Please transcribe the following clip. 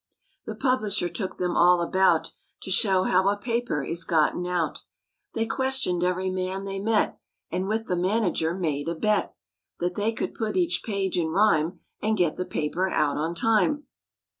The publisher took them all about To show how a paper is gotten out. They questioned every man they met And with the manager made a bet That they could put each page in rhyme And get the paper out on time.